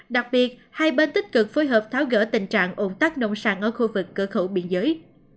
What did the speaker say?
đặc biệt hai bên tích cực phối hợp tháo gỡ tình trạng ủng tắc nông sản ở khu vực cửa khẩu biên giới